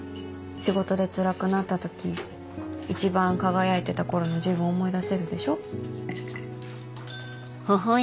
仕事でつらくなった時一番輝いてた頃の自分を思い出せるでしょ？